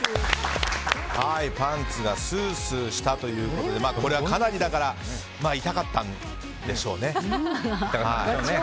パンツがスースーしたということでこれはかなり痛かったんでしょうね。